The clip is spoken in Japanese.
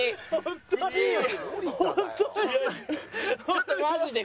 ちょっとマジで。